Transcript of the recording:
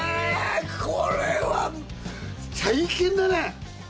これは大変だね。